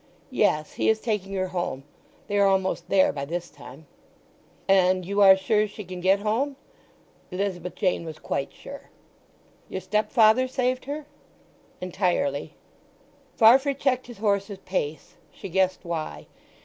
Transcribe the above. "Yes. He is taking her home. They are almost there by this time." "And you are sure she can get home?" Elizabeth Jane was quite sure. "Your stepfather saved her?" "Entirely." Farfrae checked his horse's pace; she guessed why.